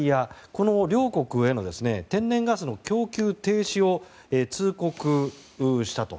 この両国への天然ガスの供給停止を通告したと。